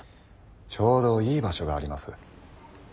ちょうどいい場所があります。